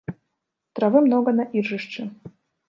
Травы многа на іржышчы.